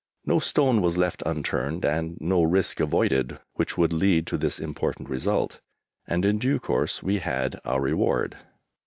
No stone was left unturned and no risk avoided which would lead to this important result, and in due course we had our reward.